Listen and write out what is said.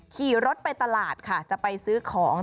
ขี่รถไปตลาดค่ะจะไปซื้อของ